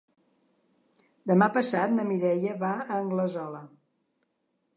Demà passat na Mireia va a Anglesola.